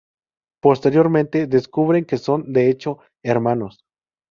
Posteriormente, descubren que son, de hecho, hermanos.